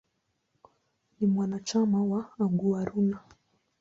Ni mwanachama wa "Aguaruna".